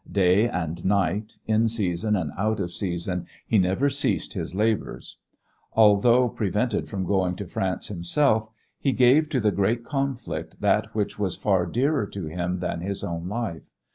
Day and night, in season and out of season, he never ceased his labors. Although prevented from going to France himself, he gave to the great conflict that which was far dearer to him than his own life.